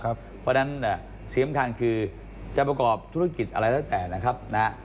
เพราะฉะนั้นสิ่งสำคัญคือจะประกอบธุรกิจอะไรแล้วแต่นะครับ